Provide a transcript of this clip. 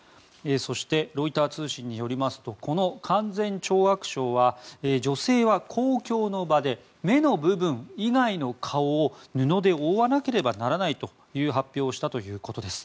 そしてロイター通信によりますとこの勧善懲悪省は女性は公共の場で目の部分以外の顔を布で覆わなければならないという発表をしたということです。